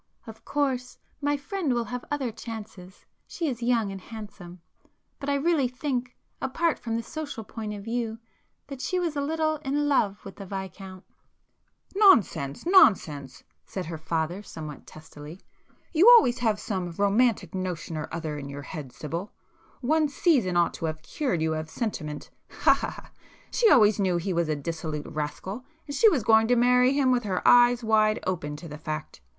"Of course my friend will have other chances,—she is young and handsome—but I really think, apart from the social point of view, that she was a little in love with the Viscount——" [p 134]"Nonsense! nonsense!" said her father somewhat testily. "You always have some romantic notion or other in your head Sibyl,—one 'season' ought to have cured you of sentiment—ha ha ha! She always knew he was a dissolute rascal, and she was going to marry him with her eyes wide open to the fact.